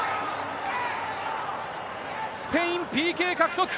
スペイン、ＰＫ獲得。